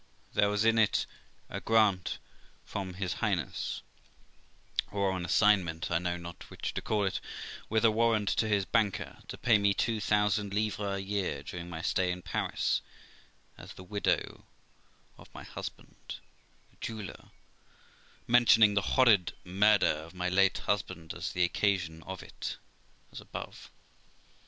There was in it a grant from his Highness, or an assignment I know not which to call it with a warrant to his banker to pay me two thousand livres a year during my stay in Paris, as the widow of Monsieur , the jeweller, mentioning the horrid murder of my late husband as the occasion of it, as above.